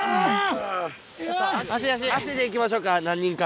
足で行きましょう何人か。